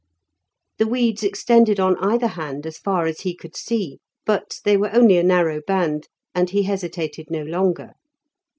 The weeds extended on either hand as far as he could see, but they were only a narrow band, and he hesitated no longer.